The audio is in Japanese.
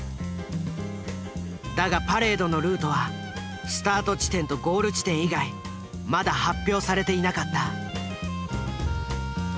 だがパレードのルートはスタート地点とゴール地点以外まだ発表されていなかった。